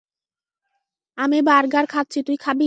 আমি বার্গার খাচ্ছি, তুই খাবি?